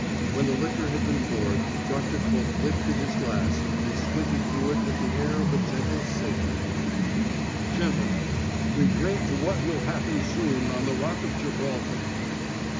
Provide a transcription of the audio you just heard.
When the liquor had been poured, Doctor Koch lifted his glass and squinted through it with the air of a gentle satyr. "Gentlemen, we drink to what will happen soon on the Rock of Gibraltar!"